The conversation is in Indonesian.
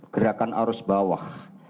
gerakan arus bawah